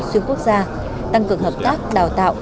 xuyên quốc gia tăng cường hợp tác đào tạo